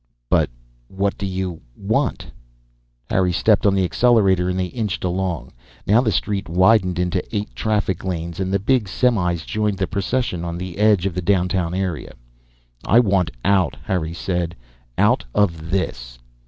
"But what do you want?" Harry stepped on the accelerator and they inched along. Now the street widened into eight traffic lanes and the big semis joined the procession on the edge of the downtown area. "I want out," Harry said. "Out of this."